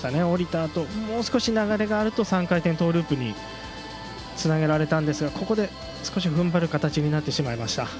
降りたあともう少し流れがあると３回転トーループにつなげられたんですが少し踏ん張る形になりました。